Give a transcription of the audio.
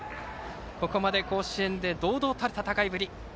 ここまで甲子園で堂々たる戦いぶり。